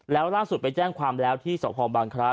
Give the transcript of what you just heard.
แล้วล่าสุดไปแจ้งความแล้วที่สพบังคล้า